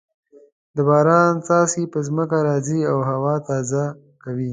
د باران څاڅکي په ځمکه راځې او هوا تازه کوي.